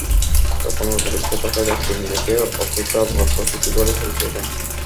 তখন অটোরিকশায় থাকা যাত্রী নিজেকে অপহূত আবু বকর সিদ্দিক বলে পরিচয় দেন।